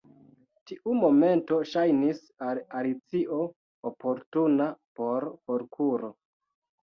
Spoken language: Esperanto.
Tiu momento ŝajnis al Alicio oportuna por forkuro.